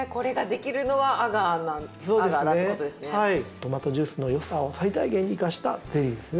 トマトジュースのよさを最大限に生かしたゼリーですね。